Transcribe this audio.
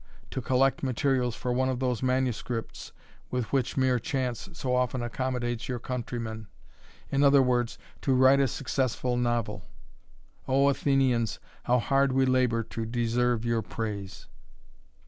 to collect materials for one of those manuscripts with which mere chance so often accommodates your country men; in other words, to write a successful novel. "O Athenians, how hard we labour to deserve your praise!"